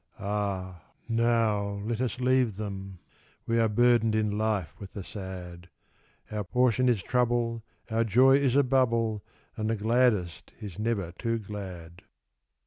Ah, now let us leave them We are burdened in life with the sad; Our portion is trouble, our joy is a bubble, And the gladdest is never too glad.